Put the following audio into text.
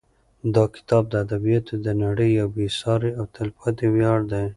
دا کتاب د ادبیاتو د نړۍ یو بې سارې او تلپاتې ویاړ دی.